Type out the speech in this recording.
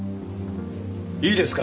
いいですか？